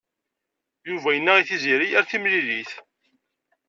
Yuba yenna i Tiziri ar timlilit.